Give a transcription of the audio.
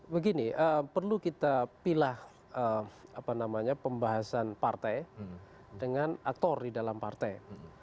begini perlu kita pilih pembahasan partai dengan aktor di dalam partai